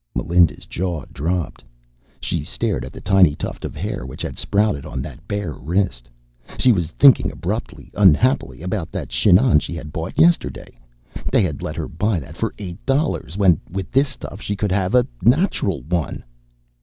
Melinda's jaw dropped. She stared at the tiny tuft of hair which had sprouted on that bare wrist. She was thinking abruptly, unhappily, about that chignon she had bought yesterday. They had let her buy that for eight dollars when with this stuff she could have a natural one.